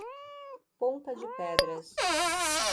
Ponta de Pedras